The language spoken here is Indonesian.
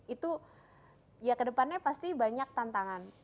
itu ya kedepannya pasti banyak tantangan